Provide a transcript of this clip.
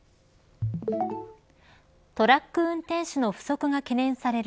トラック運転手の不足が懸念される